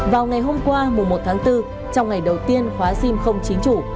vào ngày hôm qua mùa một tháng bốn trong ngày đầu tiên khóa sim không chính chủ